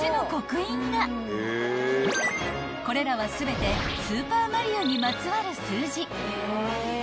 ［これらは全て『スーパーマリオ』にまつわる数字］